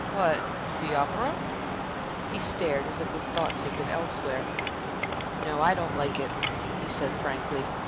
"What, the opera?" He started as if his thoughts had been elsewhere. "No, I don't like it," he said, frankly.